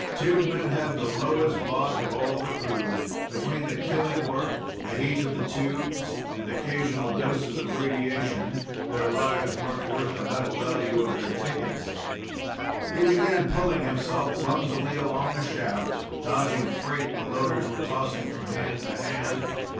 Tubemen had the lowest lot of all the crew. Between the killing work, the heat of the tubes, and occasional doses of radiation, their lives weren't worth the metal value of their tickets. He began pulling himself clumsily along a shaft, dodging freight the loaders were tossing from hand to hand.